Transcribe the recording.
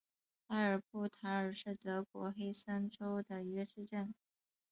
埃尔布塔尔是德国黑森州的一个市镇。